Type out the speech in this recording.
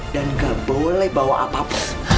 dan gak boleh bawa apapun